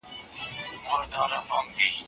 د بدرنگ رهبر نظر کې را ايسار دی